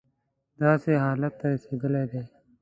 داسې حالت ته رسېدلی دی.